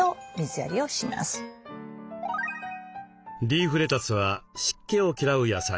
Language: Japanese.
リーフレタスは湿気を嫌う野菜。